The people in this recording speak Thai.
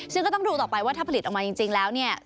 ซึ่งก็ต้องดูต่อไปว่าถ้าผลิตออกมาจริงแล้วเนี่ย